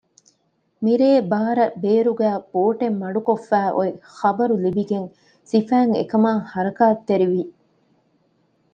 މިރޭ ބާރަށް ބޭރުގައި ބޯޓެއް މަޑުކޮށްފައި އޮތް ޚަބަރު ލިބިގެން ސިފައިން އެކަމާ ޙަރަކާތްތެރިވި